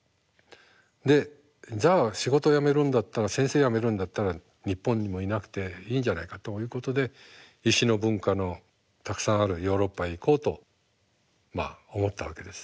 でじゃあ仕事辞めるんだったら先生辞めるんだったら日本にもいなくていいんじゃないかということで石の文化のたくさんあるヨーロッパへ行こうと思ったわけです。